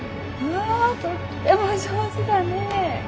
わぁとっても上手だねぇ。